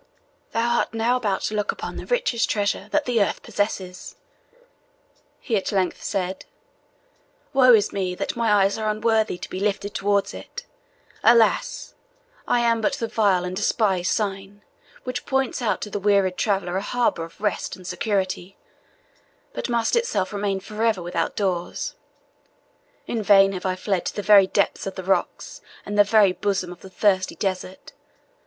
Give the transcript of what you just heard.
"Thou art now about to look upon the richest treasure that the earth possesses," he at length said; "woe is me, that my eyes are unworthy to be lifted towards it! Alas! I am but the vile and despised sign, which points out to the wearied traveller a harbour of rest and security, but must itself remain for ever without doors. In vain have I fled to the very depths of the rocks, and the very bosom of the thirsty desert.